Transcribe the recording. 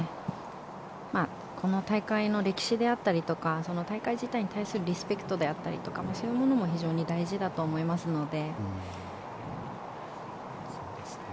この大会の歴史であったりとか大会自体に対するリスペクトだったりそういうものも非常に大事だと思いますので。